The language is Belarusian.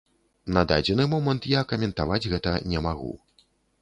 На дадзены момант я каментаваць гэта не магу.